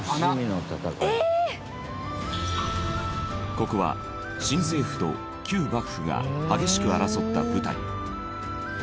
ここは新政府と旧幕府が激しく争った舞台。